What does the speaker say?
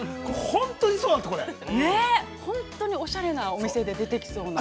◆本当におしゃれなお店で出てきそうな。